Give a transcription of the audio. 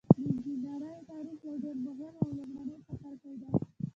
د انجنیری تاریخ یو ډیر مهم او لومړنی څپرکی دی.